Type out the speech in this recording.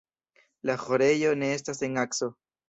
La ĥorejo ne estas en akso.